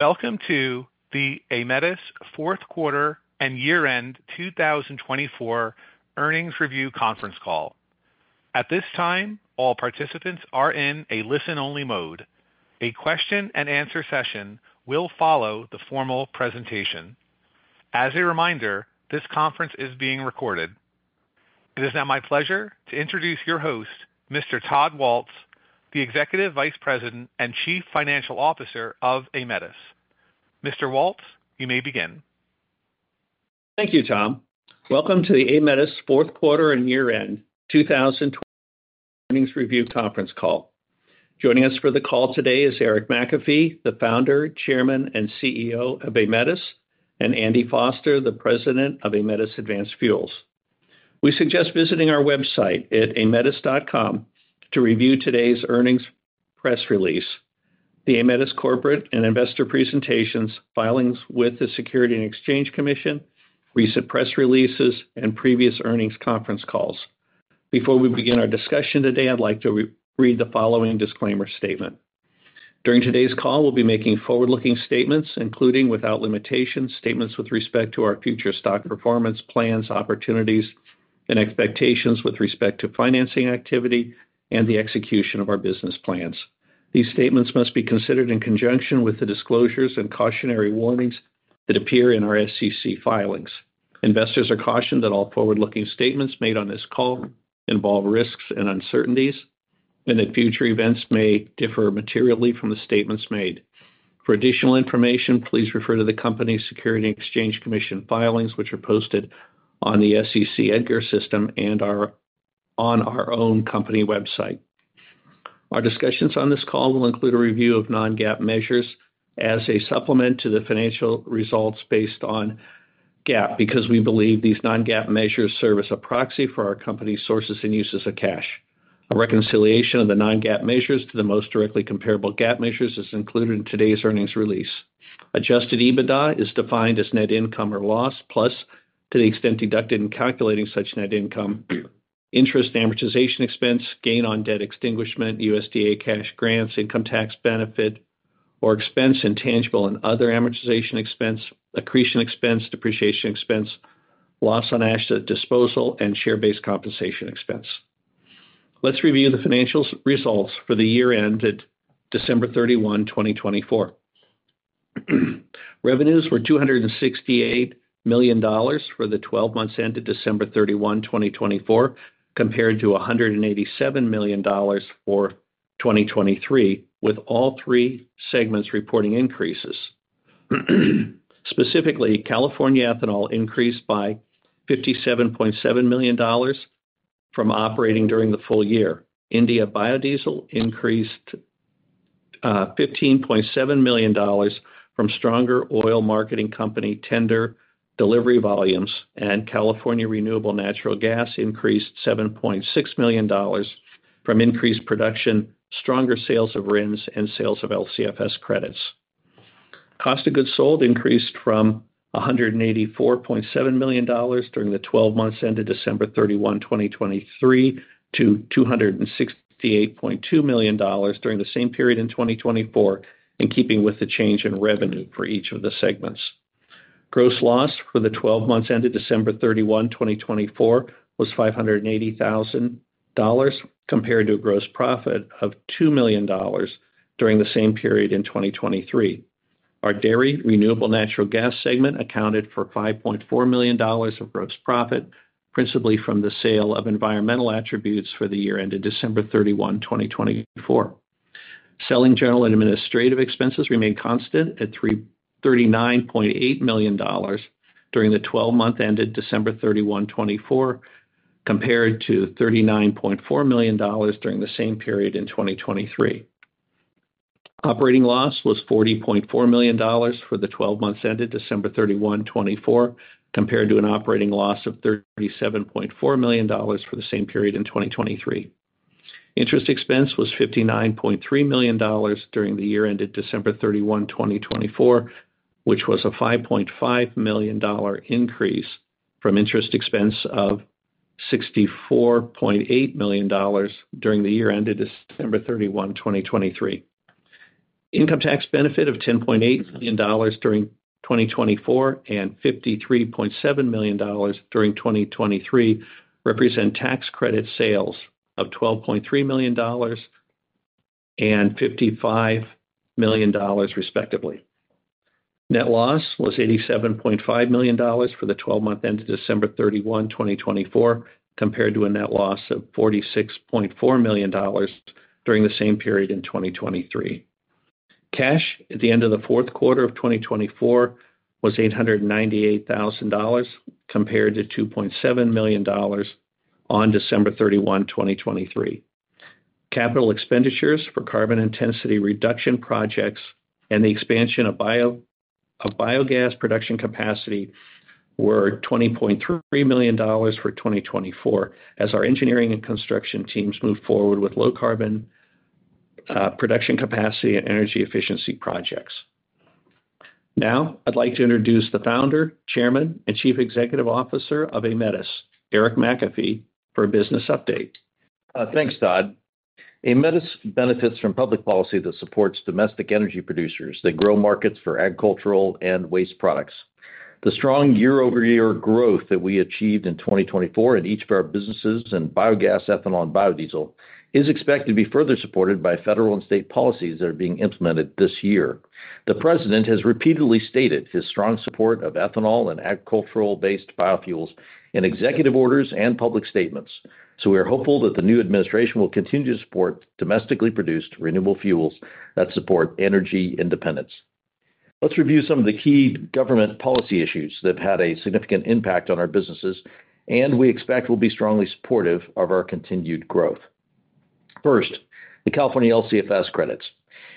Welcome to the Aemetis Fourth Quarter and Year-End 2024 Earnings Review Conference Call. At this time, all participants are in a listen-only mode. A question-and-answer session will follow the formal presentation. As a reminder, this conference is being recorded. It is now my pleasure to introduce your host, Mr. Todd Waltz, the Executive Vice President and Chief Financial Officer of Aemetis. Mr. Waltz, you may begin. Thank you, Tom. Welcome to the Aemetis Fourth Quarter and Year-End 2024 Earnings Review Conference Call. Joining us for the call today is Eric McAfee, the Founder, Chairman, and CEO of Aemetis, and Andy Foster, the President of Aemetis Advanced Fuels. We suggest visiting our website at aemetis.com to review today's earnings press release, the Aemetis corporate and investor presentations, filings with the Securities and Exchange Commission, recent press releases, and previous earnings conference calls. Before we begin our discussion today, I'd like to read the following disclaimer statement. During today's call, we'll be making forward-looking statements, including without limitations, statements with respect to our future stock performance plans, opportunities, and expectations with respect to financing activity and the execution of our business plans. These statements must be considered in conjunction with the disclosures and cautionary warnings that appear in our SEC filings. Investors are cautioned that all forward-looking statements made on this call involve risks and uncertainties, and that future events may differ materially from the statements made. For additional information, please refer to the Company's Securities and Exchange Commission filings, which are posted on the SEC EDGAR system and on our own company website. Our discussions on this call will include a review of non-GAAP measures as a supplement to the financial results based on GAAP because we believe these non-GAAP measures serve as a proxy for our company's sources and uses of cash. A reconciliation of the non-GAAP measures to the most directly comparable GAAP measures is included in today's earnings release. Adjusted EBITDA is defined as net income or loss plus, to the extent deducted in calculating such net income, interest and amortization expense, gain on debt extinguishment, USDA cash grants, income tax benefit or expense, intangible and other amortization expense, accretion expense, depreciation expense, loss on asset disposal, and share-based compensation expense. Let's review the financial results for the year ended December 31, 2024. Revenues were $268 million for the 12 months ended December 31, 2024, compared to $187 million for 2023, with all three segments reporting increases. Specifically, California Ethanol increased by $57.7 million from operating during the full year. India Biodiesel increased $15.7 million from stronger oil marketing company tender delivery volumes, and California Renewable Natural Gas increased $7.6 million from increased production, stronger sales of RINs, and sales of LCFS credits. Cost of goods sold increased from $184.7 million during the 12 months ended December 31, 2023, to $268.2 million during the same period in 2024, in keeping with the change in revenue for each of the segments. Gross loss for the 12 months ended December 31, 2024, was $580,000 compared to a gross profit of $2 million during the same period in 2023. Our dairy renewable natural gas segment accounted for $5.4 million of gross profit, principally from the sale of environmental attributes for the year ended December 31, 2024. Selling, general and administrative expenses remained constant at $39.8 million during the 12 months ended December 31, 2024, compared to $39.4 million during the same period in 2023. Operating loss was $40.4 million for the 12 months ended December 31, 2024, compared to an operating loss of $37.4 million for the same period in 2023. Interest expense was $59.3 million during the year ended December 31, 2024, which was a $5.5 million increase from interest expense of $64.8 million during the year ended December 31, 2023. Income tax benefit of $10.8 million during 2024 and $53.7 million during 2023 represent tax credit sales of $12.3 million and $55 million, respectively. Net loss was $87.5 million for the 12 months ended December 31, 2024, compared to a net loss of $46.4 million during the same period in 2023. Cash at the end of the fourth quarter of 2024 was $898,000 compared to $2.7 million on December 31, 2023. Capital expenditures for carbon intensity reduction projects and the expansion of biogas production capacity were $20.3 million for 2024 as our engineering and construction teams moved forward with low-carbon production capacity and energy efficiency projects. Now, I'd like to introduce the Founder, Chairman, and Chief Executive Officer of Aemetis, Eric McAfee, for a business update. Thanks, Todd. Aemetis benefits from public policy that supports domestic energy producers that grow markets for agricultural and waste products. The strong year-over-year growth that we achieved in 2024 in each of our businesses in biogas, ethanol, and biodiesel is expected to be further supported by federal and state policies that are being implemented this year. The President has repeatedly stated his strong support of ethanol and agricultural-based biofuels in executive orders and public statements, so we are hopeful that the new administration will continue to support domestically produced renewable fuels that support energy independence. Let's review some of the key government policy issues that have had a significant impact on our businesses, and we expect will be strongly supportive of our continued growth. First, the California LCFS credits.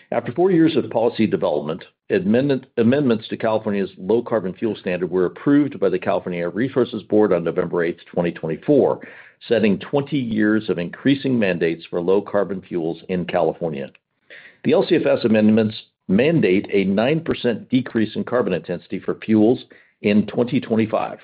After four years of policy development, amendments to California's Low-Carbon Fuel Standard were approved by the California Air Resources Board on November 8, 2024, setting 20 years of increasing mandates for low-carbon fuels in California. The LCFS amendments mandate a 9% decrease in carbon intensity for fuels in 2025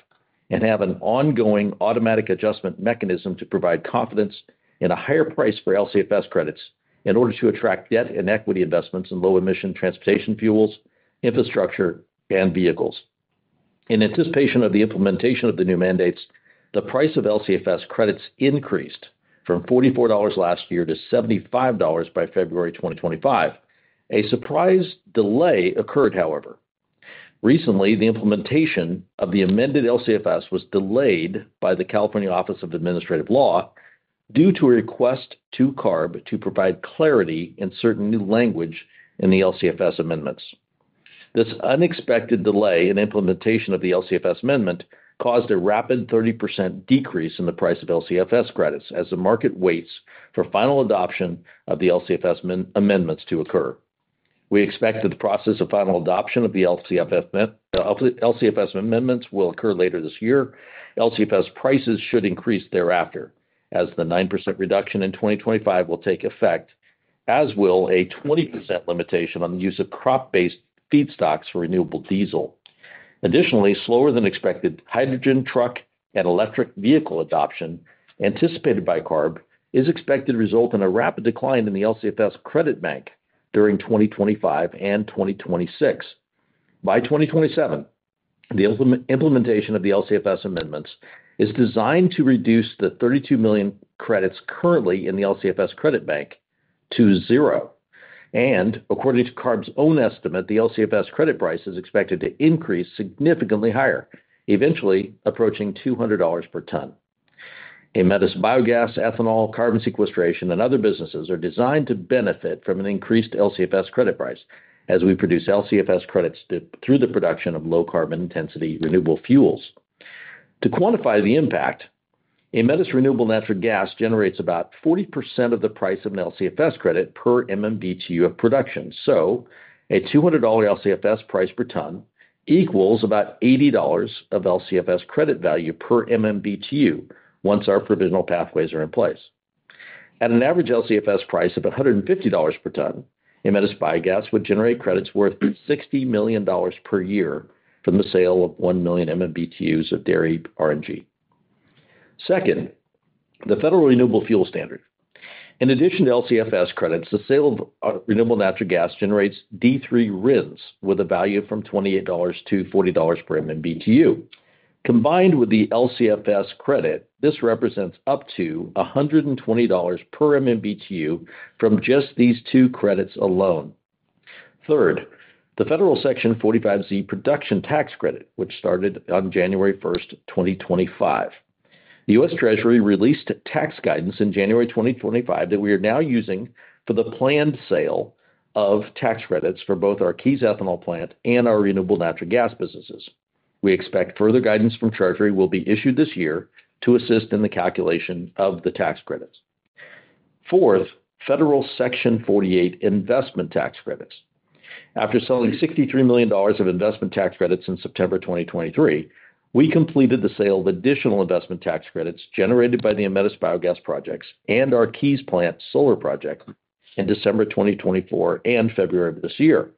and have an ongoing automatic adjustment mechanism to provide confidence in a higher price for LCFS credits in order to attract debt and equity investments in low-emission transportation fuels, infrastructure, and vehicles. In anticipation of the implementation of the new mandates, the price of LCFS credits increased from $44 last year to $75 by February 2025. A surprise delay occurred, however. Recently, the implementation of the amended LCFS was delayed by the California Office of Administrative Law due to a request to CARB to provide clarity and certain new language in the LCFS amendments. This unexpected delay in implementation of the LCFS amendment caused a rapid 30% decrease in the price of LCFS credits as the market waits for final adoption of the LCFS amendments to occur. We expect that the process of final adoption of the LCFS amendments will occur later this year. LCFS prices should increase thereafter as the 9% reduction in 2025 will take effect, as will a 20% limitation on the use of crop-based feedstocks for renewable diesel. Additionally, slower than expected hydrogen truck and electric vehicle adoption anticipated by CARB is expected to result in a rapid decline in the LCFS credit bank during 2025 and 2026. By 2027, the implementation of the LCFS amendments is designed to reduce the 32 million credits currently in the LCFS credit bank to zero. According to CARB's own estimate, the LCFS credit price is expected to increase significantly higher, eventually approaching $200 per ton. Aemetis Biogas, ethanol, carbon sequestration, and other businesses are designed to benefit from an increased LCFS credit price as we produce LCFS credits through the production of low-carbon intensity renewable fuels. To quantify the impact, Aemetis renewable natural gas generates about 40% of the price of an LCFS credit per MMBTU of production. A $200 LCFS price per ton equals about $80 of LCFS credit value per MMBTU once our provisional pathways are in place. At an average LCFS price of $150 per ton, Aemetis Biogas would generate credits worth $60 million per year from the sale of 1 million MMBTU of dairy RNG. Second, the federal renewable fuel standard. In addition to LCFS credits, the sale of renewable natural gas generates D3 RINs with a value from $28-$40 per MMBTU. Combined with the LCFS credit, this represents up to $120 per MMBTU from just these two credits alone. Third, the federal Section 45Z production tax credit, which started on January 1st, 2025. The U.S. Treasury released tax guidance in January 2025 that we are now using for the planned sale of tax credits for both our Keyes Ethanol Plant and our renewable natural gas businesses. We expect further guidance from Treasury will be issued this year to assist in the calculation of the tax credits. Fourth, federal Section 48 investment tax credits. After selling $63 million of investment tax credits in September 2023, we completed the sale of additional investment tax credits generated by the Aemetis Biogas projects and our Keyes plant solar project in December 2024 and February of this year.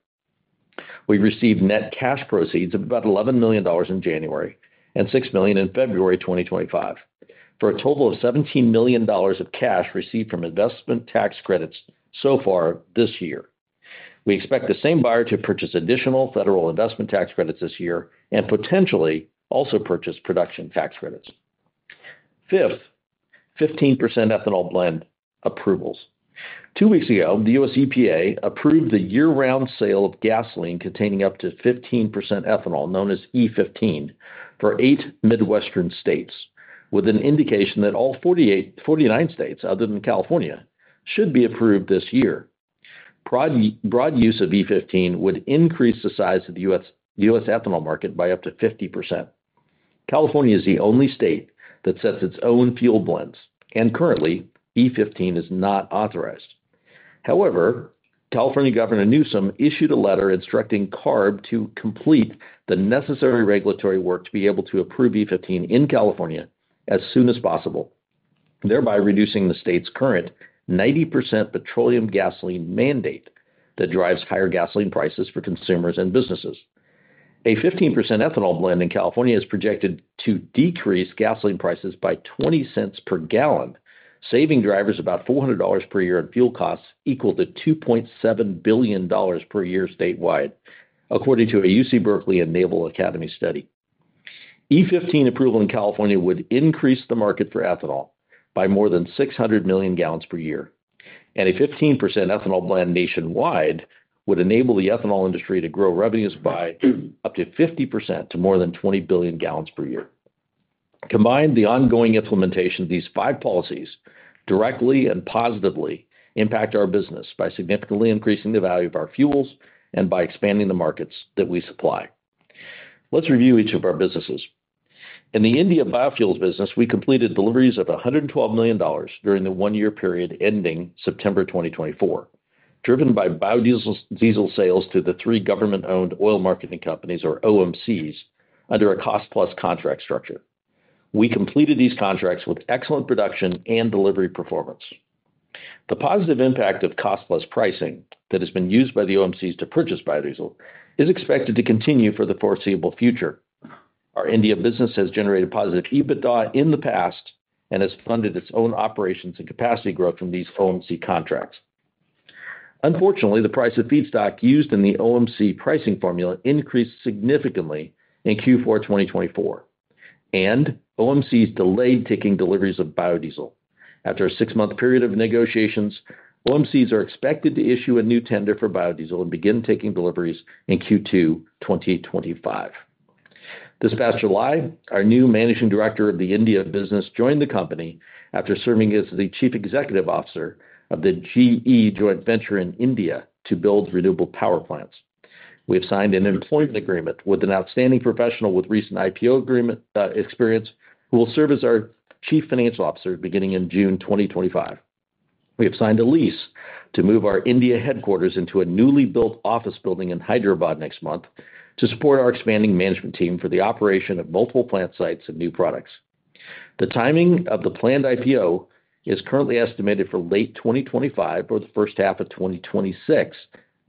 We received net cash proceeds of about $11 million in January and $6 million in February 2025 for a total of $17 million of cash received from investment tax credits so far this year. We expect the same buyer to purchase additional federal investment tax credits this year and potentially also purchase production tax credits. Fifth, 15% ethanol blend approvals. Two weeks ago, the U.S. EPA approved the year-round sale of gasoline containing up to 15% ethanol, known as E15, for eight Midwestern states, with an indication that all 49 states other than California should be approved this year. Broad use of E15 would increase the size of the U.S. ethanol market by up to 50%. California is the only state that sets its own fuel blends, and currently, E15 is not authorized. However, California Governor Newsom issued a letter instructing CARB to complete the necessary regulatory work to be able to approve E15 in California as soon as possible, thereby reducing the state's current 90% petroleum gasoline mandate that drives higher gasoline prices for consumers and businesses. A 15% ethanol blend in California is projected to decrease gasoline prices by $0.20 per gal, saving drivers about $400 per year in fuel costs equal to $2.7 billion per year statewide, according to a UC Berkeley and Naval Academy study. E15 approval in California would increase the market for ethanol by more than 600 million gal per year, and a 15% ethanol blend nationwide would enable the ethanol industry to grow revenues by up to 50% to more than 20 billion gal per year. Combined, the ongoing implementation of these five policies directly and positively impacts our business by significantly increasing the value of our fuels and by expanding the markets that we supply. Let's review each of our businesses. In the India biofuels business, we completed deliveries of $112 million during the one-year period ending September 2024, driven by biodiesel sales to the three government-owned oil marketing companies, or OMCs, under a cost-plus contract structure. We completed these contracts with excellent production and delivery performance. The positive impact of cost-plus pricing that has been used by the OMCs to purchase biodiesel is expected to continue for the foreseeable future. Our India business has generated positive EBITDA in the past and has funded its own operations and capacity growth from these OMC contracts. Unfortunately, the price of feedstock used in the OMC pricing formula increased significantly in Q4 2024, and OMCs delayed taking deliveries of biodiesel. After a six-month period of negotiations, OMCs are expected to issue a new tender for biodiesel and begin taking deliveries in Q2 2025. This past July, our new Managing Director of the India business joined the company after serving as the Chief Executive Officer of the GE joint venture in India to build renewable power plants. We have signed an employment agreement with an outstanding professional with recent IPO experience who will serve as our Chief Financial Officer beginning in June 2025. We have signed a lease to move our India headquarters into a newly built office building in Hyderabad next month to support our expanding management team for the operation of multiple plant sites and new products. The timing of the planned IPO is currently estimated for late 2025 or the first half of 2026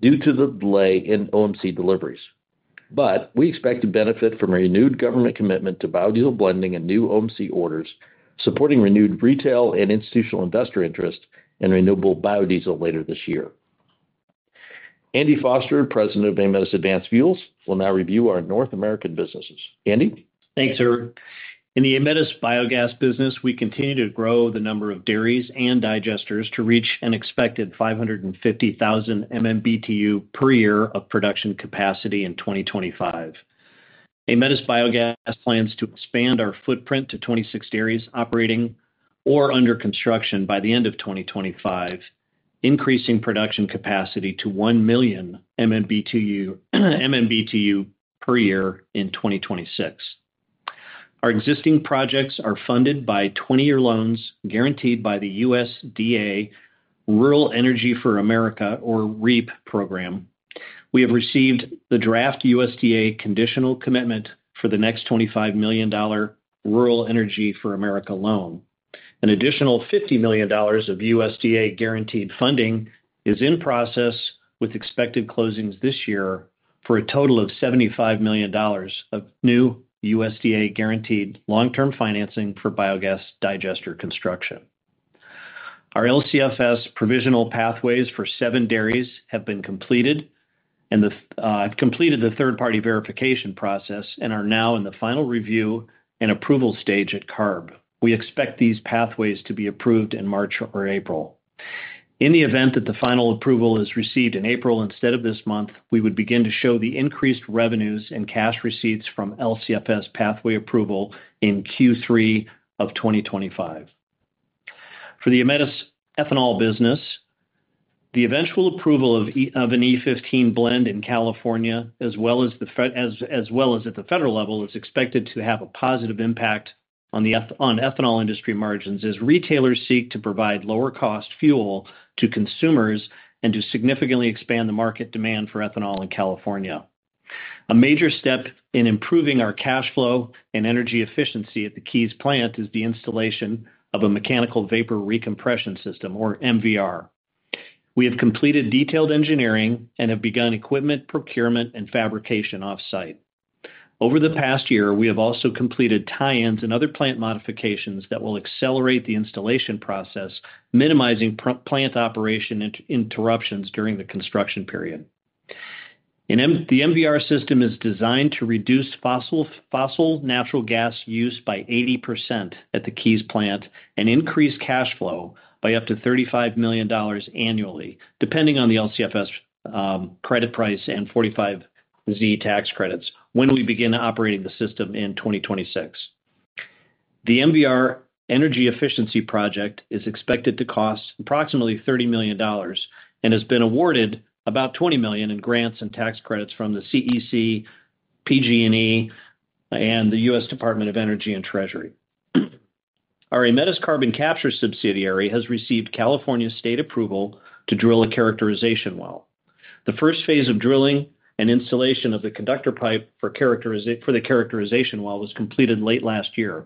due to the delay in OMC deliveries. We expect to benefit from a renewed government commitment to biodiesel blending and new OMC orders supporting renewed retail and institutional investor interest in renewable biodiesel later this year. Andy Foster, President of Aemetis Advanced Fuels, will now review our North American businesses. Andy? Thanks, Eric. In the Aemetis Biogas business, we continue to grow the number of dairies and digesters to reach an expected 550,000 MMBTU per year of production capacity in 2025. Aemetis Biogas plans to expand our footprint to 26 dairies operating or under construction by the end of 2025, increasing production capacity to 1 million MMBTU per year in 2026. Our existing projects are funded by 20-year loans guaranteed by the USDA Rural Energy for America, or REAP, program. We have received the draft USDA conditional commitment for the next $25 million Rural Energy for America loan. An additional $50 million of USDA guaranteed funding is in process with expected closings this year for a total of $75 million of new USDA guaranteed long-term financing for biogas digester construction. Our LCFS provisional pathways for seven dairies have been completed and have completed the third-party verification process and are now in the final review and approval stage at CARB. We expect these pathways to be approved in March or April. In the event that the final approval is received in April instead of this month, we would begin to show the increased revenues and cash receipts from LCFS pathway approval in Q3 of 2025. For the Aemetis ethanol business, the eventual approval of an E15 blend in California, as well as at the federal level, is expected to have a positive impact on ethanol industry margins as retailers seek to provide lower-cost fuel to consumers and to significantly expand the market demand for ethanol in California. A major step in improving our cash flow and energy efficiency at the Keyes plant is the installation of a mechanical vapor recompression system, or MVR. We have completed detailed engineering and have begun equipment procurement and fabrication off-site. Over the past year, we have also completed tie-ins and other plant modifications that will accelerate the installation process, minimizing plant operation interruptions during the construction period. The MVR system is designed to reduce fossil natural gas use by 80% at the Keyes plant and increase cash flow by up to $35 million annually, depending on the LCFS credit price and 45Z tax credits when we begin operating the system in 2026. The MVR energy efficiency project is expected to cost approximately $30 million and has been awarded about $20 million in grants and tax credits from the CEC, PG&E, and the U.S. Department of Energy and Treasury. Our Aemetis Carbon Capture subsidiary has received California state approval to drill a characterization well. The first phase of drilling and installation of the conductor pipe for the characterization well was completed late last year.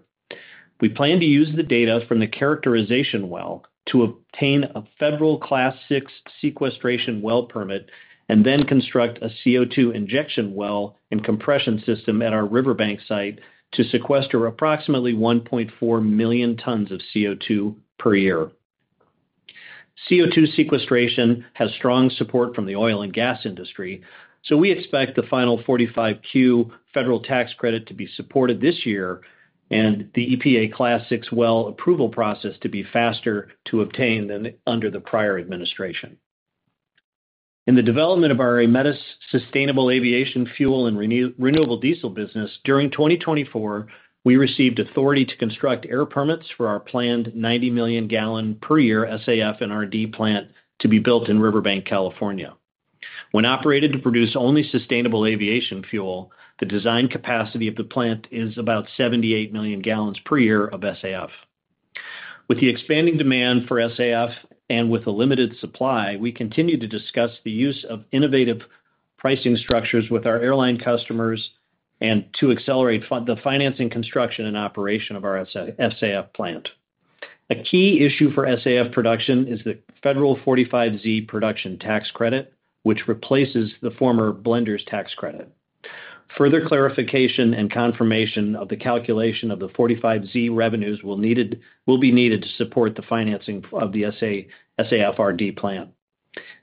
We plan to use the data from the characterization well to obtain a federal Class VI sequestration well permit and then construct a CO2 injection well and compression system at our Riverbank site to sequester approximately 1.4 million tons of CO2 per year. CO2 sequestration has strong support from the oil and gas industry, so we expect the final 45Q federal tax credit to be supported this year and the EPA Class VI well approval process to be faster to obtain than under the prior administration. In the development of our Aemetis sustainable aviation fuel and renewable diesel business, during 2024, we received authority to construct air permits for our planned 90 million gal per year SAF and RD plant to be built in Riverbank, California. When operated to produce only sustainable aviation fuel, the design capacity of the plant is about 78 million gal per year of SAF. With the expanding demand for SAF and with a limited supply, we continue to discuss the use of innovative pricing structures with our airline customers to accelerate the financing, construction, and operation of our SAF plant. A key issue for SAF production is the federal 45Z production tax credit, which replaces the former blender's tax credit. Further clarification and confirmation of the calculation of the 45Z revenues will be needed to support the financing of the SAF/RD plant.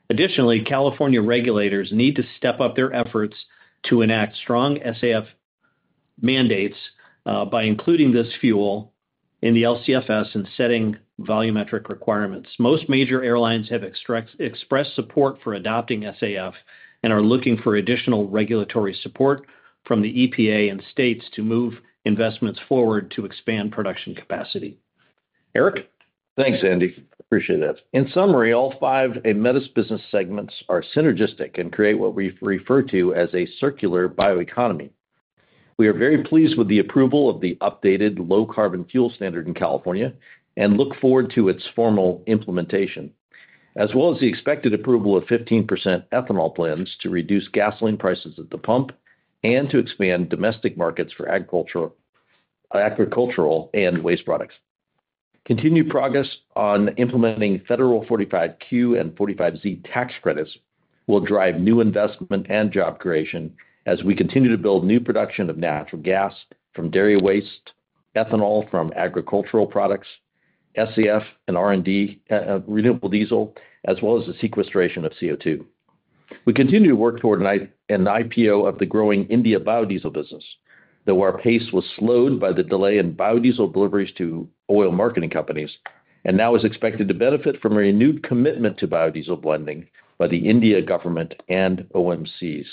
Additionally, California regulators need to step up their efforts to enact strong SAF mandates by including this fuel in the LCFS and setting volumetric requirements. Most major airlines have expressed support for adopting SAF and are looking for additional regulatory support from the EPA and states to move investments forward to expand production capacity. Eric? Thanks, Andy. Appreciate that. In summary, all five Aemetis business segments are synergistic and create what we refer to as a circular bioeconomy. We are very pleased with the approval of the updated low-carbon fuel standard in California and look forward to its formal implementation, as well as the expected approval of 15% ethanol blends to reduce gasoline prices at the pump and to expand domestic markets for agricultural and waste products. Continued progress on implementing federal 45Q and 45Z tax credits will drive new investment and job creation as we continue to build new production of natural gas from dairy waste, ethanol from agricultural products, SAF and RD renewable diesel, as well as the sequestration of CO2. We continue to work toward an IPO of the growing India biodiesel business, though our pace was slowed by the delay in biodiesel deliveries to oil marketing companies and now is expected to benefit from a renewed commitment to biodiesel blending by the India government and OMCs.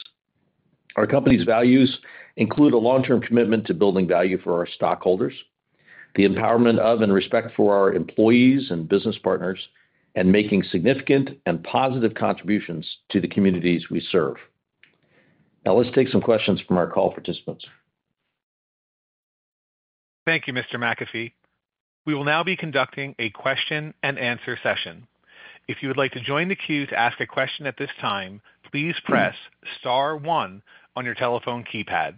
Our company's values include a long-term commitment to building value for our stockholders, the empowerment of and respect for our employees and business partners, and making significant and positive contributions to the communities we serve. Now, let's take some questions from our call participants. Thank you, Mr. McAfee. We will now be conducting a question-and-answer session. If you would like to join the queue to ask a question at this time, please press star one on your telephone keypad.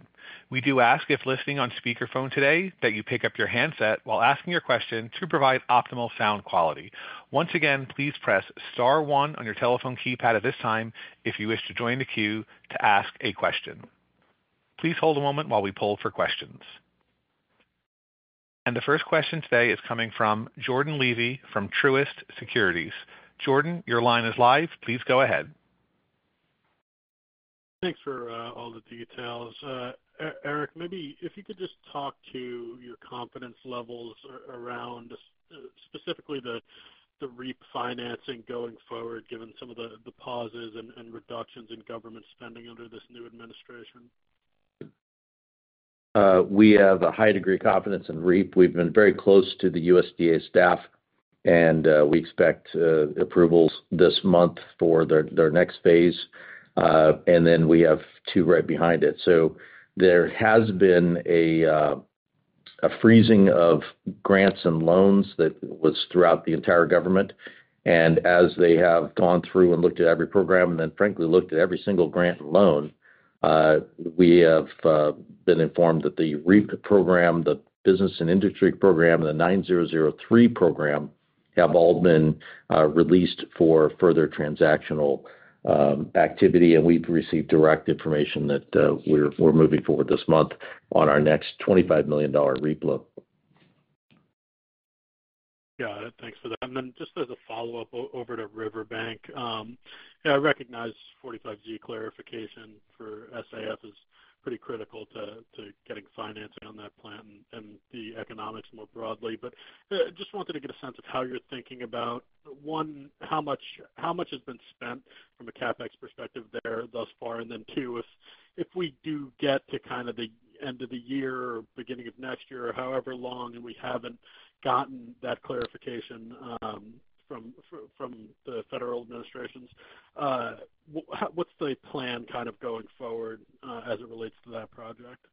We do ask if listening on speakerphone today that you pick up your handset while asking your question to provide optimal sound quality. Once again, please press star one on your telephone keypad at this time if you wish to join the queue to ask a question. Please hold a moment while we pull for questions. The first question today is coming from Jordan Levy from Truist Securities. Jordan, your line is live. Please go ahead. Thanks for all the details. Eric, maybe if you could just talk to your confidence levels around specifically the REAP financing going forward, given some of the pauses and reductions in government spending under this new administration. We have a high degree of confidence in REAP. We've been very close to the USDA staff, and we expect approvals this month for their next phase. We have two right behind it. There has been a freezing of grants and loans that was throughout the entire government. As they have gone through and looked at every program and, frankly, looked at every single grant and loan, we have been informed that the REAP program, the Business and Industry program, and the 9003 program have all been released for further transactional activity. We've received direct information that we're moving forward this month on our next $25 million REAP loan. Got it. Thanks for that. Just as a follow-up over to Riverbank, I recognize 45Z clarification for SAF is pretty critical to getting financing on that plant and the economics more broadly. I just wanted to get a sense of how you're thinking about, one, how much has been spent from a CapEx perspective there thus far, and then two, if we do get to kind of the end of the year or beginning of next year or however long, and we haven't gotten that clarification from the federal administrations, what's the plan kind of going forward as it relates to that project?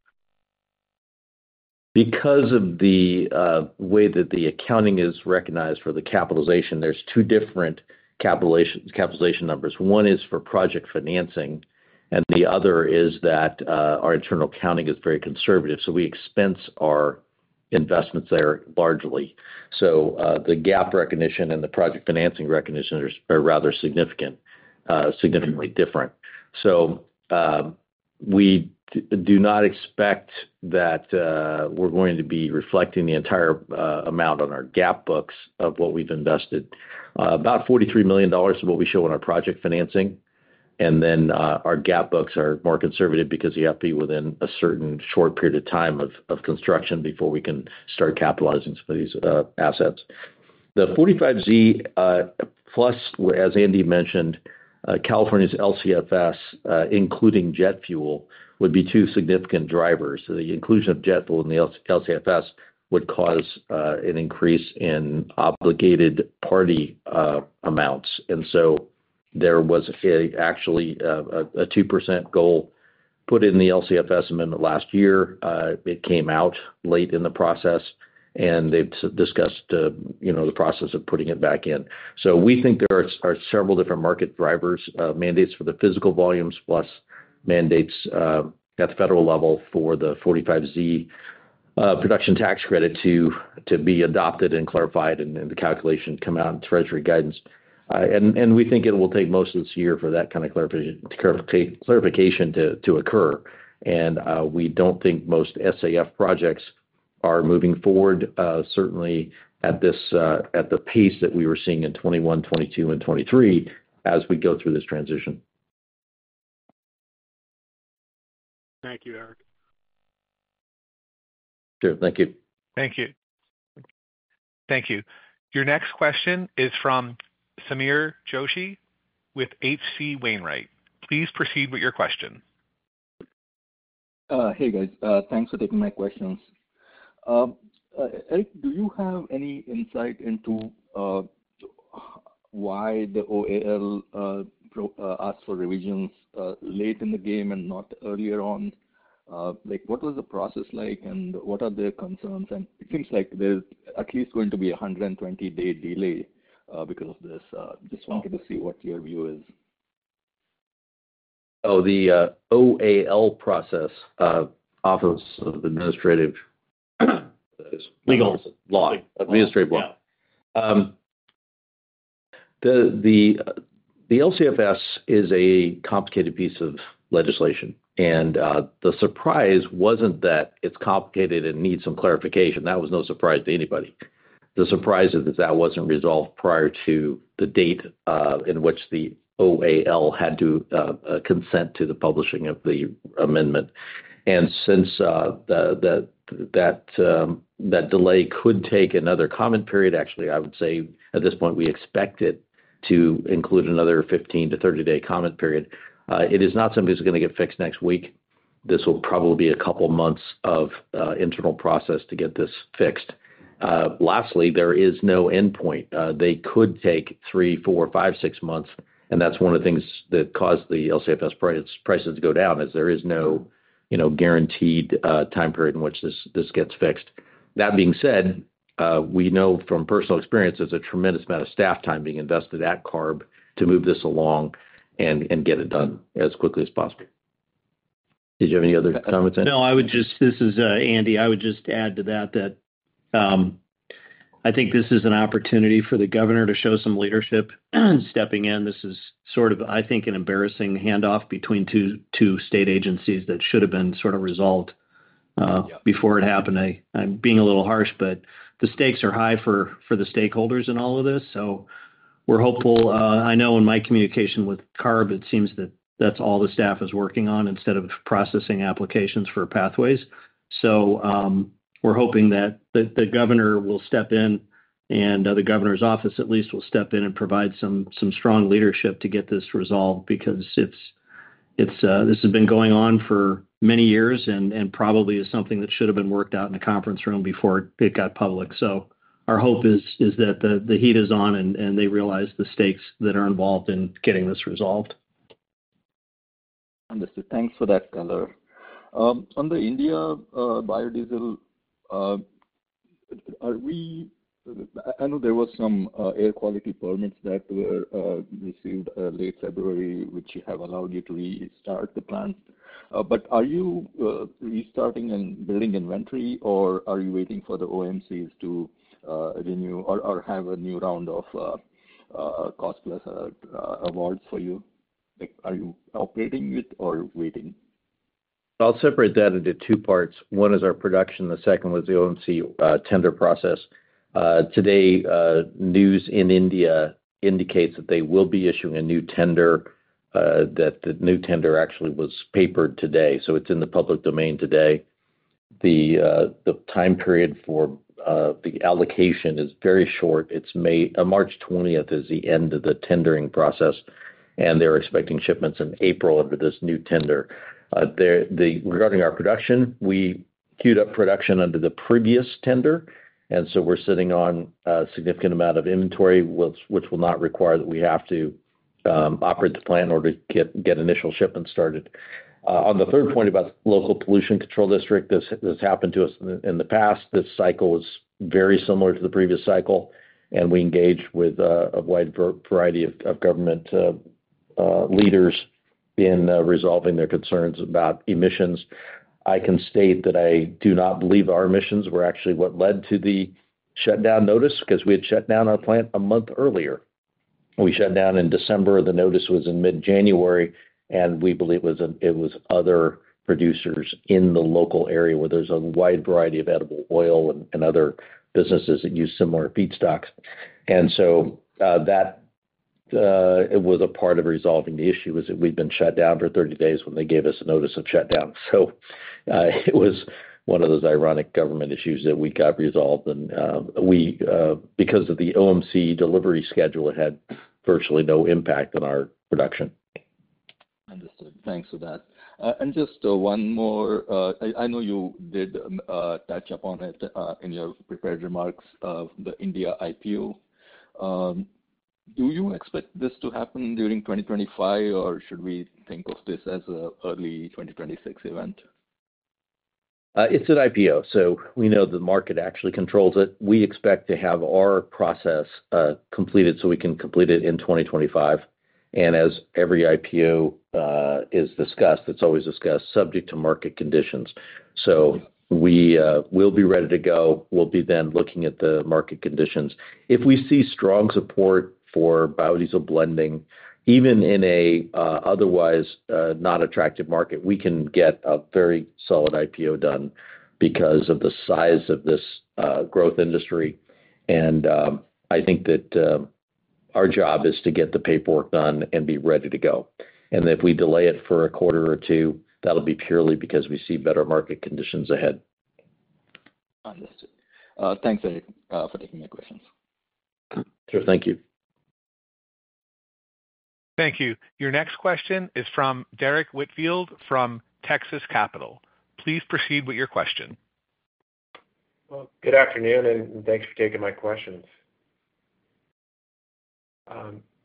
Because of the way that the accounting is recognized for the capitalization, there are two different capitalization numbers. One is for project financing, and the other is that our internal accounting is very conservative, so we expense our investments there largely. The GAAP recognition and the project financing recognition are rather significantly different. We do not expect that we are going to be reflecting the entire amount on our GAAP books of what we have invested. About $43 million is what we show in our project financing. Our GAAP books are more conservative because you have to be within a certain short period of time of construction before we can start capitalizing some of these assets. The 45Z plus, as Andy mentioned, California's LCFS, including jet fuel, would be two significant drivers. The inclusion of jet fuel in the LCFS would cause an increase in obligated party amounts. There was actually a 2% goal put in the LCFS amendment last year. It came out late in the process, and they have discussed the process of putting it back in. We think there are several different market drivers, mandates for the physical volumes plus mandates at the federal level for the 45Z production tax credit to be adopted and clarified and the calculation come out in Treasury guidance. We think it will take most of this year for that kind of clarification to occur. We do not think most SAF projects are moving forward, certainly at the pace that we were seeing in 2021, 2022, and 2023 as we go through this transition. Thank you, Eric. Sure. Thank you. Thank you. Thank you. Your next question is from Sameer Joshi with H.C. Wainwright. Please proceed with your question. Hey, guys. Thanks for taking my questions. Eric, do you have any insight into why the OAL asked for revisions late in the game and not earlier on? What was the process like, and what are their concerns? It seems like there's at least going to be a 120-day delay because of this. Just wanted to see what your view is. Oh, the OAL process, Office of Administrative Law. Legal. Administrative Law. The LCFS is a complicated piece of legislation. The surprise was not that it is complicated and needs some clarification. That was no surprise to anybody. The surprise is that that was not resolved prior to the date in which the OAL had to consent to the publishing of the amendment. Since that delay could take another comment period, actually, I would say at this point, we expect it to include another 15-30 day comment period. It is not something that is going to get fixed next week. This will probably be a couple of months of internal process to get this fixed. Lastly, there is no endpoint. They could take three, four, five, six months. That is one of the things that caused the LCFS prices to go down is there is no guaranteed time period in which this gets fixed. That being said, we know from personal experience there's a tremendous amount of staff time being invested at CARB to move this along and get it done as quickly as possible. Did you have any other comments? No, I would just—this is Andy—I would just add to that that I think this is an opportunity for the governor to show some leadership stepping in. This is sort of, I think, an embarrassing handoff between two state agencies that should have been sort of resolved before it happened. I'm being a little harsh, but the stakes are high for the stakeholders in all of this. We are hopeful. I know in my communication with CARB, it seems that that's all the staff is working on instead of processing applications for pathways. We are hoping that the governor will step in, and the governor's office at least will step in and provide some strong leadership to get this resolved because this has been going on for many years and probably is something that should have been worked out in the conference room before it got public. Our hope is that the heat is on and they realize the stakes that are involved in getting this resolved. Understood. Thanks for that color. On the India biodiesel, I know there were some air quality permits that were received late February, which have allowed you to restart the plant. Are you restarting and building inventory, or are you waiting for the OMCs to renew or have a new round of cost-plus awards for you? Are you operating with or waiting? I'll separate that into two parts. One is our production. The second was the OMC tender process. Today, news in India indicates that they will be issuing a new tender, that the new tender actually was papered today. It is in the public domain today. The time period for the allocation is very short. March 20 is the end of the tendering process, and they're expecting shipments in April under this new tender. Regarding our production, we queued up production under the previous tender, and so we're sitting on a significant amount of inventory, which will not require that we have to operate the plant or to get initial shipments started. On the third point about the local pollution control district, this happened to us in the past. This cycle was very similar to the previous cycle, and we engaged with a wide variety of government leaders in resolving their concerns about emissions. I can state that I do not believe our emissions were actually what led to the shutdown notice because we had shut down our plant a month earlier. We shut down in December. The notice was in mid-January, and we believe it was other producers in the local area where there's a wide variety of edible oil and other businesses that use similar feedstocks. That was a part of resolving the issue, that we'd been shut down for 30 days when they gave us a notice of shutdown. It was one of those ironic government issues that we got resolved. Because of the OMC delivery schedule, it had virtually no impact on our production. Understood. Thanks for that. Just one more. I know you did touch upon it in your prepared remarks, the India IPO. Do you expect this to happen during 2025, or should we think of this as an early 2026 event? It's an IPO. We know the market actually controls it. We expect to have our process completed so we can complete it in 2025. As every IPO is discussed, it's always discussed, subject to market conditions. We will be ready to go. We'll be then looking at the market conditions. If we see strong support for biodiesel blending, even in an otherwise not attractive market, we can get a very solid IPO done because of the size of this growth industry. I think that our job is to get the paperwork done and be ready to go. If we delay it for a quarter or two, that'll be purely because we see better market conditions ahead. Understood. Thanks, Eric, for taking my questions. Sure. Thank you. Thank you. Your next question is from Derrick Whitfield from Texas Capital. Please proceed with your question. Good afternoon, and thanks for taking my questions.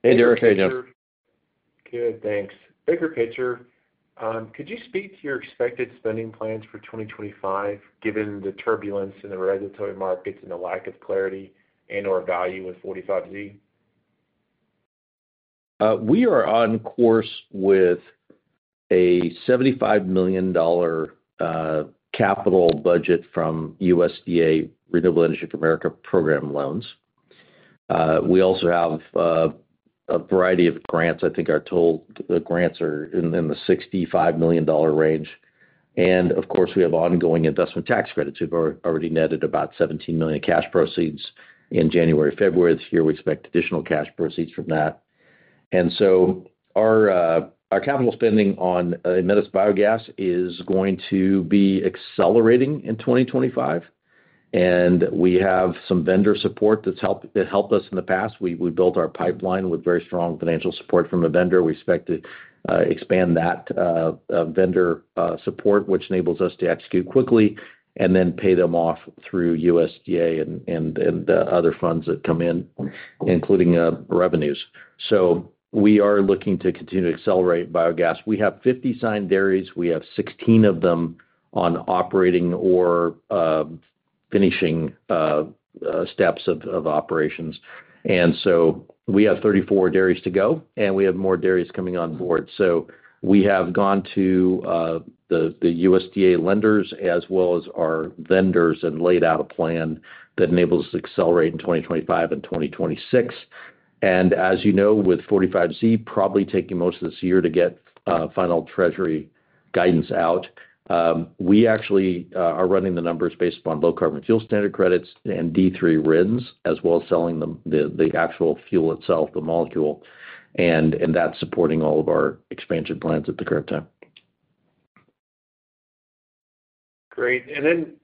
Hey, Derrick. How are you doing? Good. Good. Thanks. Bigger picture, could you speak to your expected spending plans for 2025 given the turbulence in the regulatory markets and the lack of clarity and/or value with 45Z? We are on course with a $75 million capital budget from USDA Renewable Energy for America program loans. We also have a variety of grants. I think our total grants are in the $65 million range. Of course, we have ongoing investment tax credits who've already netted about $17 million cash proceeds in January and February. This year, we expect additional cash proceeds from that. Our capital spending on Aemetis Biogas is going to be accelerating in 2025. We have some vendor support that helped us in the past. We built our pipeline with very strong financial support from a vendor. We expect to expand that vendor support, which enables us to execute quickly and then pay them off through USDA and other funds that come in, including revenues. We are looking to continue to accelerate biogas. We have 50 signed dairies. We have 16 of them on operating or finishing steps of operations. We have 34 dairies to go, and we have more dairies coming on board. We have gone to the USDA lenders as well as our vendors and laid out a plan that enables us to accelerate in 2025 and 2026. As you know, with 45Z probably taking most of this year to get final Treasury guidance out, we actually are running the numbers based upon low carbon fuel standard credits and D3 RINs as well as selling the actual fuel itself, the molecule. That is supporting all of our expansion plans at the current time. Great.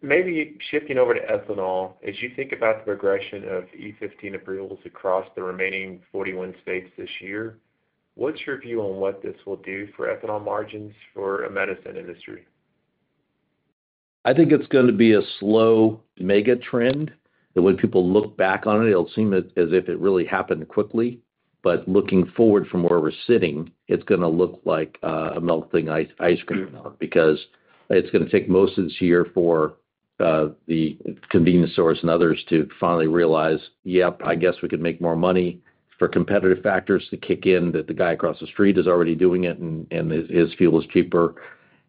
Maybe shifting over to ethanol, as you think about the progression of E15 approvals across the remaining 41 states this year, what's your view on what this will do for ethanol margins for Aemetis and the industry? I think it's going to be a slow mega trend. When people look back on it, it'll seem as if it really happened quickly. Looking forward from where we're sitting, it's going to look like a melting ice cream because it's going to take most of this year for the convenience stores and others to finally realize, "Yep, I guess we can make more money for competitive factors to kick in that the guy across the street is already doing it and his fuel is cheaper."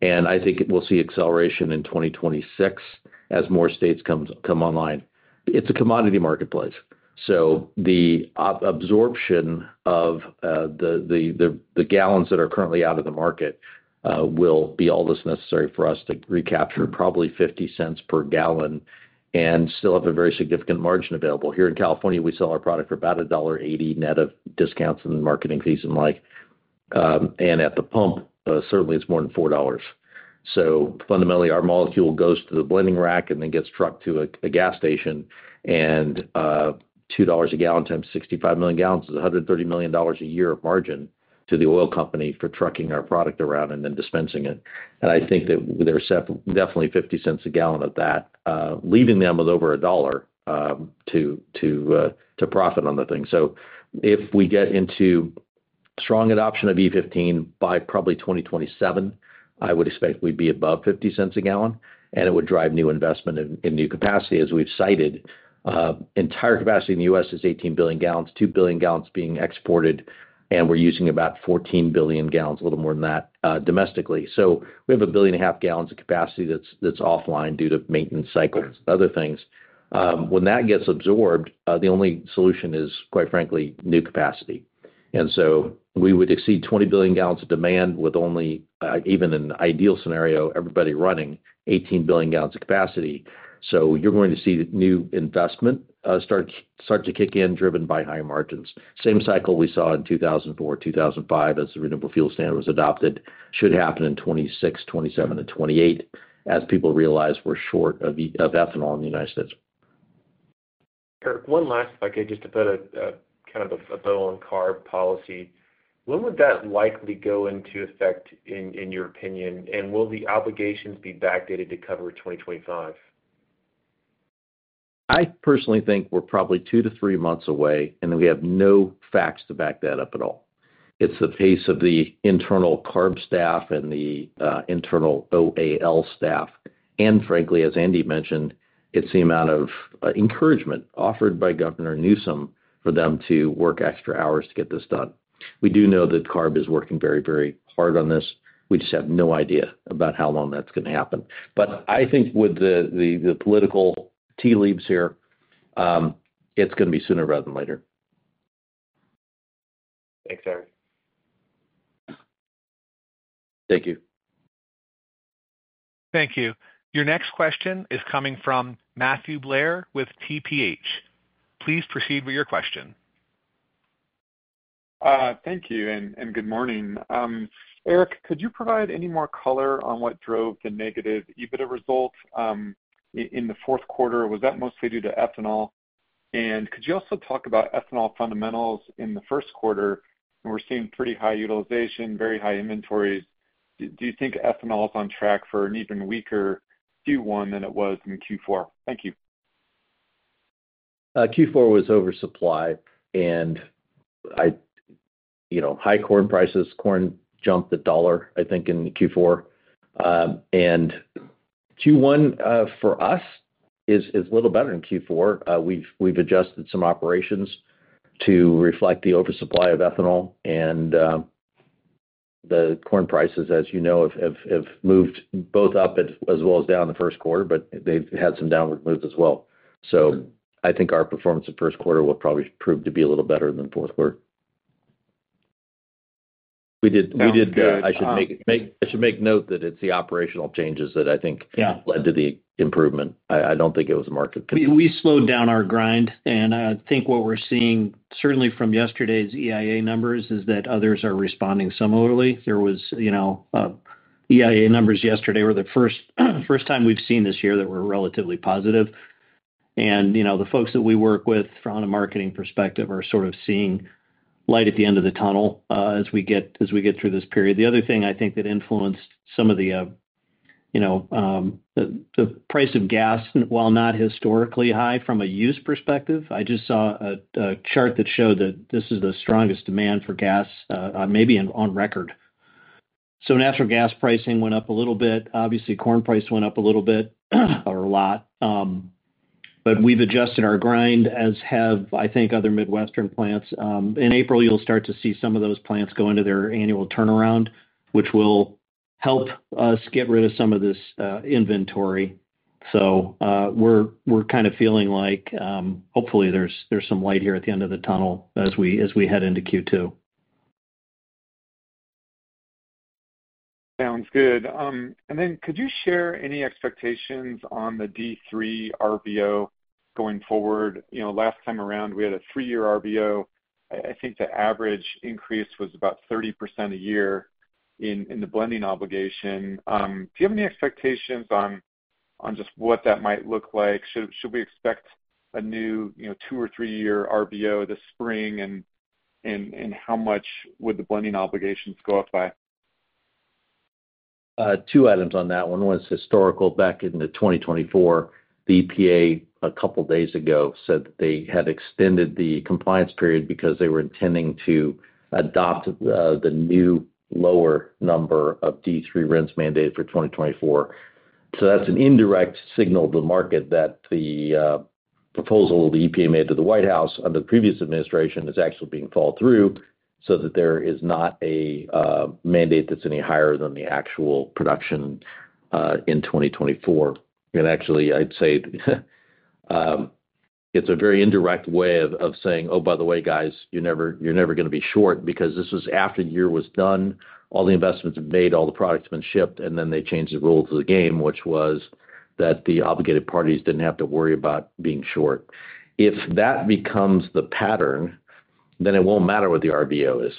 I think we'll see acceleration in 2026 as more states come online. It's a commodity marketplace. The absorption of the gal that are currently out of the market will be all that's necessary for us to recapture probably $0.50 per gal and still have a very significant margin available. Here in California, we sell our product for about $1.80 net of discounts and marketing fees and the like. At the pump, certainly, it's more than $4. Fundamentally, our molecule goes to the blending rack and then gets trucked to a gas station. $2 a gal times 65 million gal is $130 million a year of margin to the oil company for trucking our product around and then dispensing it. I think that they're definitely $0.50 a gal of that, leaving them with over a dollar to profit on the thing. If we get into strong adoption of E15 by probably 2027, I would expect we'd be above $0.50 a gal. It would drive new investment in new capacity. As we've cited, entire capacity in the U.S. is 18 billion gal, 2 billion gal being exported, and we're using about 14 billion gal, a little more than that, domestically. We have a billion and a half gal of capacity that's offline due to maintenance cycles and other things. When that gets absorbed, the only solution is, quite frankly, new capacity. We would exceed 20 billion gal of demand with only, even in an ideal scenario, everybody running 18 billion gal of capacity. You're going to see new investment start to kick in driven by higher margins. Same cycle we saw in 2004, 2005 as the renewable fuel standard was adopted should happen in 2026, 2027, and 2028 as people realize we're short of ethanol in the United States. Eric, one last, if I could, just to put kind of a bow on CARB policy. When would that likely go into effect, in your opinion, and will the obligations be backdated to cover 2025? I personally think we're probably two to three months away, and we have no facts to back that up at all. It's the pace of the internal CARB staff and the internal OAL staff. Frankly, as Andy mentioned, it's the amount of encouragement offered by Governor Newsom for them to work extra hours to get this done. We do know that CARB is working very, very hard on this. We just have no idea about how long that's going to happen. I think with the political tea leaves here, it's going to be sooner rather than later. Thanks, Eric. Thank you. Thank you. Your next question is coming from Matthew Blair with TPH. Please proceed with your question. Thank you and good morning. Eric, could you provide any more color on what drove the negative EBITDA result in the fourth quarter? Was that mostly due to ethanol? Could you also talk about ethanol fundamentals in the first quarter? We're seeing pretty high utilization, very high inventories. Do you think ethanol is on track for an even weaker Q1 than it was in Q4? Thank you. Q4 was oversupply and high corn prices. Corn jumped a dollar, I think, in Q4. Q1 for us is a little better than Q4. We've adjusted some operations to reflect the oversupply of ethanol. The corn prices, as you know, have moved both up as well as down the first quarter, but they've had some downward moves as well. I think our performance of first quarter will probably prove to be a little better than the fourth quarter. We did. I should make note that it's the operational changes that I think led to the improvement. I don't think it was a market. We slowed down our grind. I think what we're seeing, certainly from yesterday's EIA numbers, is that others are responding similarly. The EIA numbers yesterday were the first time we've seen this year that were relatively positive. The folks that we work with from a marketing perspective are sort of seeing light at the end of the tunnel as we get through this period. The other thing I think that influenced some of the price of gas, while not historically high from a use perspective, I just saw a chart that showed that this is the strongest demand for gas, maybe on record. Natural gas pricing went up a little bit. Obviously, corn price went up a little bit or a lot. We've adjusted our grind, as have, I think, other Midwestern plants. In April, you'll start to see some of those plants go into their annual turnaround, which will help us get rid of some of this inventory. We are kind of feeling like hopefully there's some light here at the end of the tunnel as we head into Q2. Sounds good. Could you share any expectations on the D3 RVO going forward? Last time around, we had a three-year RVO. I think the average increase was about 30% a year in the blending obligation. Do you have any expectations on just what that might look like? Should we expect a new two or three-year RVO this spring, and how much would the blending obligations go up by? Two items on that. One was historical. Back in 2024, the EPA a couple of days ago said that they had extended the compliance period because they were intending to adopt the new lower number of D3 RINs mandated for 2024. That is an indirect signal to the market that the proposal of the EPA made to the White House under the previous administration is actually being followed through so that there is not a mandate that is any higher than the actual production in 2024. Actually, I would say it is a very indirect way of saying, "Oh, by the way, guys, you are never going to be short because this was after the year was done. All the investments have been made, all the products have been shipped, and then they changed the rules of the game," which was that the obligated parties did not have to worry about being short. If that becomes the pattern, then it won't matter what the RVO is.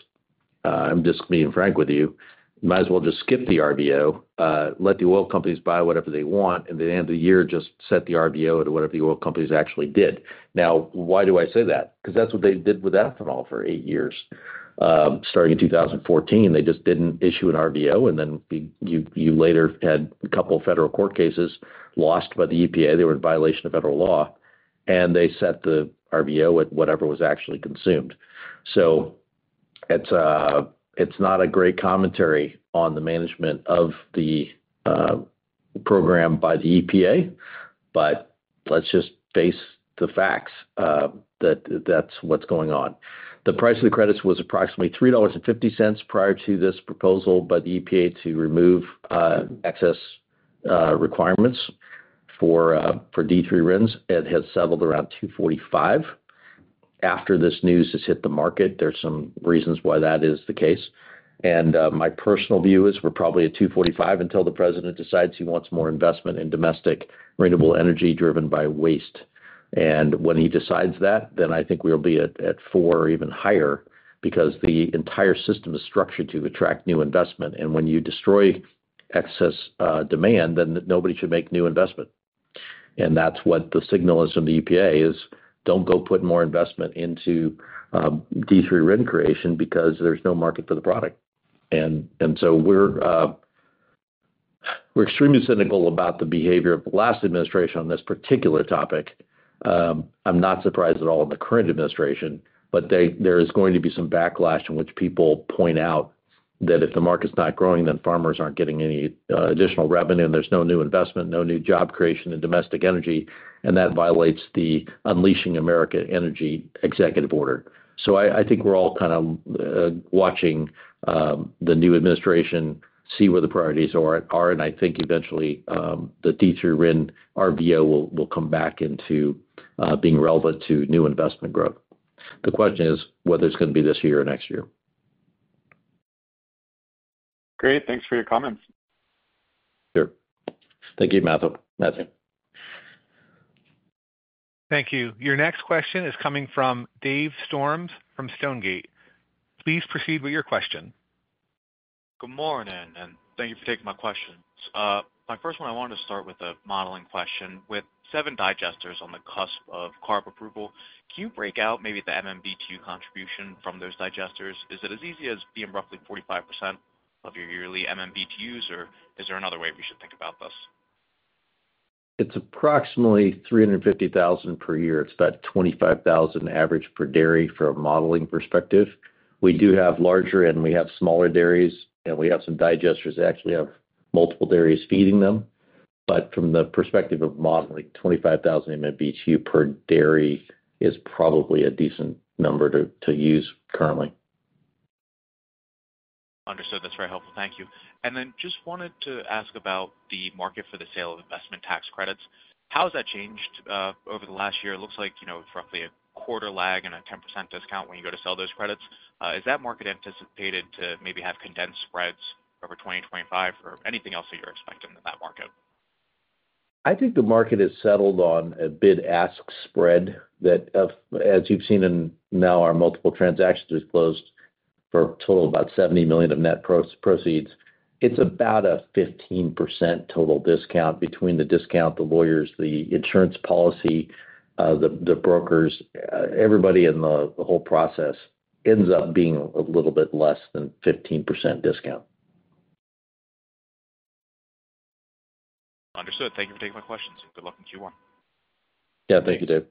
I'm just being frank with you. You might as well just skip the RVO, let the oil companies buy whatever they want, and at the end of the year, just set the RVO to whatever the oil companies actually did. Now, why do I say that? Because that's what they did with ethanol for eight years. Starting in 2014, they just didn't issue an RVO. You later had a couple of federal court cases lost by the EPA. They were in violation of federal law. They set the RVO at whatever was actually consumed. It's not a great commentary on the management of the program by the EPA, but let's just face the facts that that's what's going on. The price of the credits was approximately $3.50 prior to this proposal by the EPA to remove excess requirements for D3 RINs. It has settled around $2.45. After this news has hit the market, there's some reasons why that is the case. My personal view is we're probably at $2.45 until the president decides he wants more investment in domestic renewable energy driven by waste. When he decides that, I think we'll be at $4 or even higher because the entire system is structured to attract new investment. When you destroy excess demand, then nobody should make new investment. That is what the signal is from the EPA: "Don't go put more investment into D3 RIN creation because there's no market for the product." We are extremely cynical about the behavior of the last administration on this particular topic. I'm not surprised at all in the current administration, but there is going to be some backlash in which people point out that if the market's not growing, then farmers aren't getting any additional revenue, and there's no new investment, no new job creation in domestic energy, and that violates the unleashing America energy executive order. I think we're all kind of watching the new administration see where the priorities are. I think eventually the D3 RIN RVO will come back into being relevant to new investment growth. The question is whether it's going to be this year or next year. Great. Thanks for your comments. Sure. Thank you, Matthew. Thank you. Your next question is coming from Dave Storms from Stonegate. Please proceed with your question. Good morning, and thank you for taking my questions. My first one, I wanted to start with a modeling question. With seven digesters on the cusp of CARB approval, can you break out maybe the MMBTU contribution from those digesters? Is it as easy as being roughly 45% of your yearly MMBTUs, or is there another way we should think about this? It's approximately 350,000 per year. It's about 25,000 average per dairy from a modeling perspective. We do have larger, and we have smaller dairies, and we have some digesters that actually have multiple dairies feeding them. From the perspective of modeling, 25,000 MMBTU per dairy is probably a decent number to use currently. Understood. That's very helpful. Thank you. I just wanted to ask about the market for the sale of investment tax credits. How has that changed over the last year? It looks like it's roughly a quarter lag and a 10% discount when you go to sell those credits. Is that market anticipated to maybe have condensed spreads for 2025 or anything else that you're expecting in that market? I think the market has settled on a bid-ask spread that, as you've seen in now, our multiple transactions have closed for a total of about $70 million of net proceeds. It's about a 15% total discount between the discount, the lawyers, the insurance policy, the brokers, everybody in the whole process ends up being a little bit less than 15% discount. Understood. Thank you for taking my questions. Good luck in Q1. Yeah. Thank you, Dave.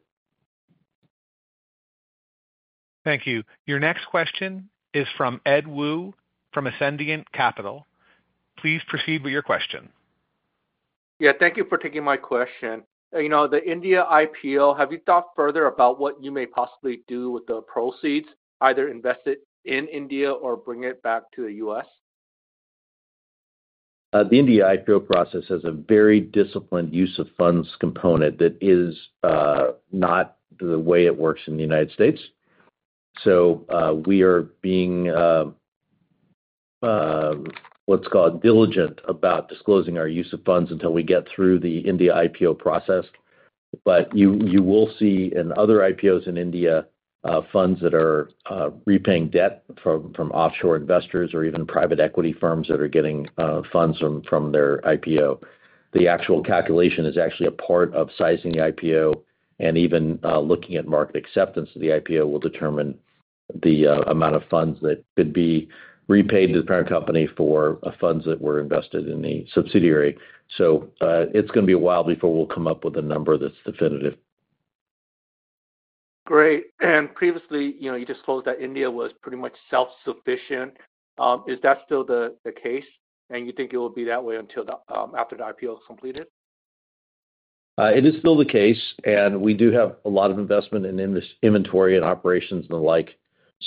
Thank you. Your next question is from Ed Woo from Ascendiant Capital. Please proceed with your question. Yeah. Thank you for taking my question. The India IPO, have you thought further about what you may possibly do with the proceeds, either invest it in India or bring it back to the U.S.? The India IPO process has a very disciplined use of funds component that is not the way it works in the United States. We are being, let's call it diligent, about disclosing our use of funds until we get through the India IPO process. You will see in other IPOs in India funds that are repaying debt from offshore investors or even private equity firms that are getting funds from their IPO. The actual calculation is actually a part of sizing the IPO, and even looking at market acceptance of the IPO will determine the amount of funds that could be repaid to the parent company for funds that were invested in the subsidiary. It is going to be a while before we will come up with a number that is definitive. Great. Previously, you disclosed that India was pretty much self-sufficient. Is that still the case, and you think it will be that way until after the IPO is completed? It is still the case, and we do have a lot of investment in inventory and operations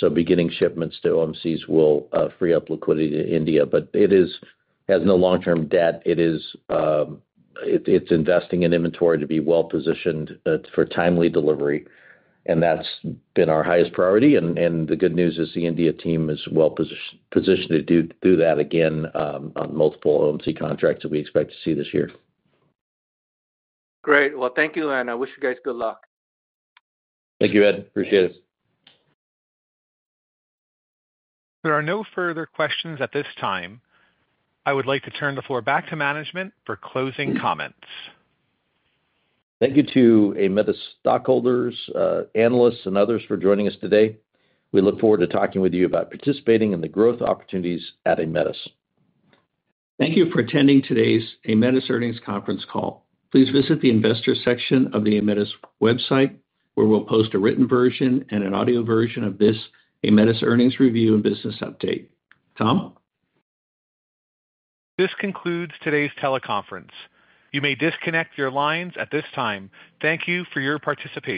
and the like. Beginning shipments to OMCs will free up liquidity to India. It has no long-term debt. It is investing in inventory to be well-positioned for timely delivery. That has been our highest priority. The good news is the India team is well-positioned to do that again on multiple OMC contracts that we expect to see this year. Great. Thank you, and I wish you guys good luck. Thank you, Ed. Appreciate it. There are no further questions at this time. I would like to turn the floor back to management for closing comments. Thank you to Aemetis stockholders, analysts, and others for joining us today. We look forward to talking with you about participating in the growth opportunities at Aemetis. Thank you for attending today's Aemetis Earnings Conference call. Please visit the investor section of the Aemetis website where we'll post a written version and an audio version of this Aemetis Earnings Review and Business Update. Tom? This concludes today's teleconference. You may disconnect your lines at this time. Thank you for your participation.